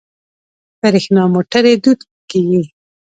د بریښنا موټرې دود کیږي.